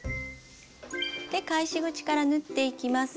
で返し口から縫っていきます。